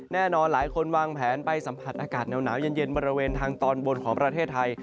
แน่นอนหลายคนวางแผนไปสัมผัสอากาศหนาวเย็นบริเวณทางตอนบนของประเทศไทย